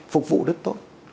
phục vụ đất tốt